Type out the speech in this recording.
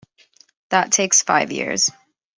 That takes five years.